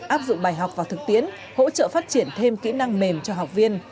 áp dụng bài học và thực tiến hỗ trợ phát triển thêm kỹ năng mềm cho học viên